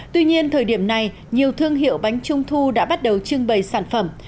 tuy nhiên thời điểm này nhiều thương hiệu bánh trung thu đã bắt đầu trưng bày sản phẩm